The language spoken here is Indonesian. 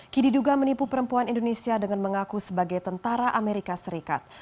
key diduga menipu perempuan indonesia dengan mengaku sebagai tentara amerika serikat